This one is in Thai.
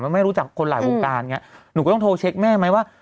มันไม่รู้จักคนหลายวงการอย่างนี้หนูก็ต้องโทรเช็คแม่ไหมว่า